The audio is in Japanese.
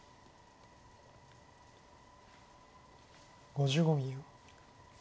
５５秒。